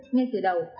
ngay từ đầu